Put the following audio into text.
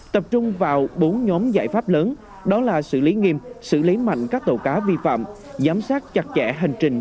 tập trung vào bốn nhóm giải pháp lớn đó là xử lý nghiêm xử lý mạnh các tàu cá vi phạm giám sát chặt chẽ hành trình